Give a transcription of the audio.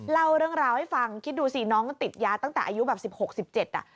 เล่าเรื่องราวให้ฟังคิดดูสิน้องติดยาตั้งแต่อายุแบบสิบหกสิบเจ็ดอ่ะ